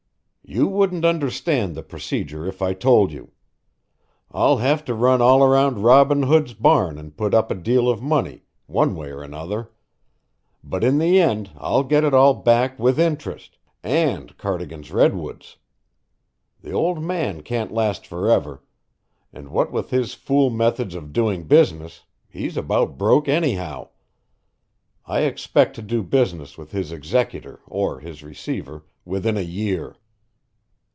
"You wouldn't understand the procedure if I told you. I'll have to run all around Robin Hood's barn and put up a deal of money, one way or another, but in the end I'll get it all back with interest and Cardigan's Redwoods! The old man can't last forever, and what with his fool methods of doing business, he's about broke, anyhow. I expect to do business with his executor or his receiver within a year."